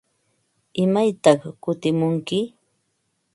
¿Imaytaq kutimunki?